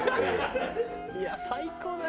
いや最高だよ。